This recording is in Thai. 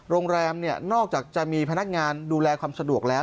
โรงแรมเนี่ยนอกจากจะมีพนักงานดูแลความสะดวกแล้ว